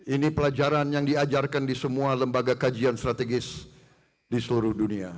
ini pelajaran yang diajarkan di semua lembaga kajian strategis di seluruh dunia